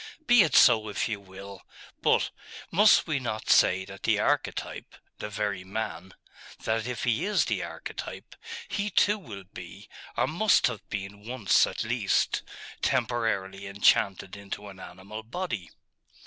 'Be it so if you will. But must we not say that the archetype the very man that if he is the archetype, he too will be, or must have been, once at least, temporarily enchanted into an animal body?....